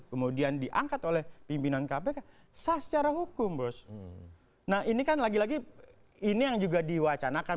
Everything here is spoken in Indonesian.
kemudian diangkat oleh pimpinan kpk secara hukum pos nah ini kan lagi lagi ini yang juga diwacana kan